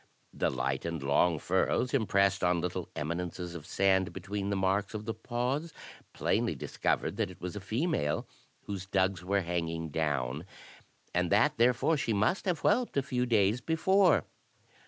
The light and long furrows impressed on little eminences of sand between the marks of the paws plainly discovered that it was a female, whose dugs were hanging down, and that therefore she must have whelped a few days before.